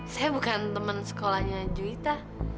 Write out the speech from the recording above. saya bukan teman sekolahnya juita